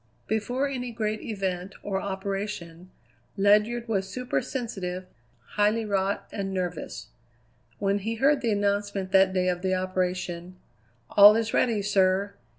Before any great event, or operation, Ledyard was supersensitive, highly wrought, and nervous. When he heard the announcement that day of the operation: "All is ready, sir!"